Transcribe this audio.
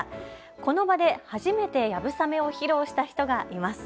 この場で初めてやぶさめを披露した人がいます。